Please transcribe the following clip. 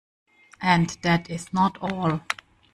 And that is not all.